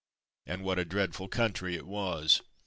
And what a dreadful country it was